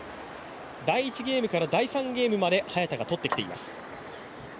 第１ゲームから第３ゲームまで早田がとってきています。